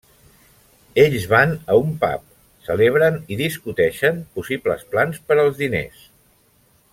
Ells van a un pub, celebren i discuteixen possibles plans per als diners.